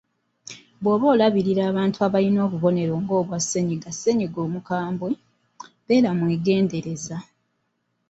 Bw’oba olabirira abantu abalina obubonero ng’obwa ssennyiga ssennyiga omukambwe, beera mwegendereza.